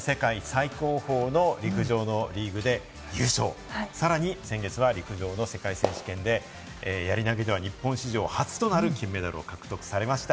世界最高峰の陸上のリーグで優勝、さらに先月は陸上の世界選手権で、やり投げでは日本史上初となる金メダルを獲得されました。